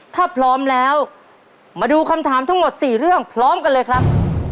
ถ้าพร้อมแล้วมาดูคำถามทั้งหมด๔เรื่องพร้อมกันเลยครับ